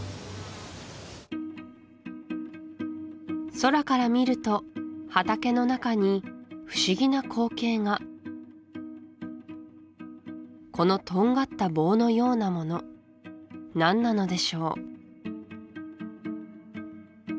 空から見ると畑の中に不思議な光景がこのとんがった棒のようなもの何なのでしょう